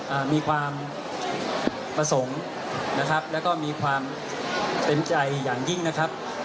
อ่ามีความประสงค์นะครับแล้วก็มีความเต็มใจอย่างยิ่งนะครับ